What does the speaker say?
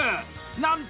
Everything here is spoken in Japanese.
なんと！